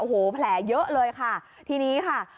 โอ้โหแผลเยอะเลยค่ะทีนี้ค่ะ